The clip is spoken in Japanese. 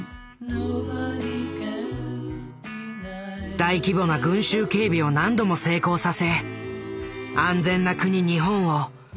大規模な群衆警備を何度も成功させ「安全な国日本」を世界に印象づけた。